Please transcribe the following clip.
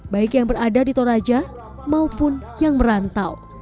baik yang berada di toraja maupun yang merantau